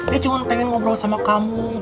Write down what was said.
dia cuma pengen ngobrol sama kamu